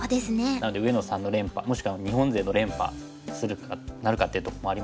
なので上野さんの連覇もしくは日本勢の連覇なるかっていうところもありますし。